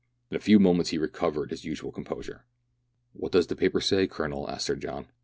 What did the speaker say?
In a few moments he recovered his usual composure. "What does the paper say, Colonel ?" asked Sir John.